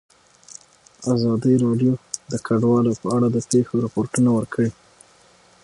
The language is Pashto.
ازادي راډیو د کډوال په اړه د پېښو رپوټونه ورکړي.